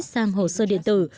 sang hồ sơ điện tử